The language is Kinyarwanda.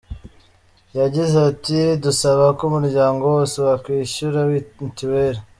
Yagize ati“Dusaba ko umuryango wose wakwishyura mituweli.